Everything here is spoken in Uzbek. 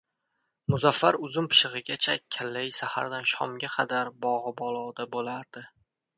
Muzaffar uzum pishig‘igacha kallai sahardan shomga qadar Bog‘iboloda bo‘lardi.